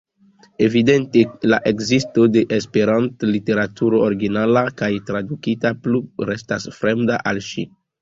Evidente la ekzisto de Esperanto-literaturo, originala kaj tradukita, plu restas fremda al ŝi.